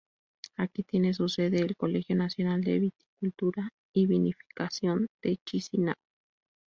Aquí tiene su sede el Colegio Nacional de Viticultura y Vinificación de Chisináu.